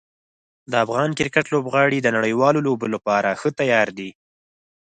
د افغان کرکټ لوبغاړي د نړیوالو لوبو لپاره ښه تیار دي.